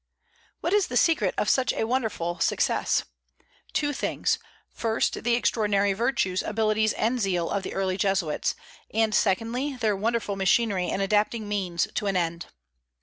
What is the secret of such a wonderful success? Two things: first, the extraordinary virtues, abilities, and zeal of the early Jesuits; and, secondly, their wonderful machinery in adapting means to an end.